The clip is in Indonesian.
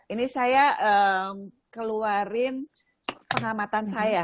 ini saya keluarin pengamatan saya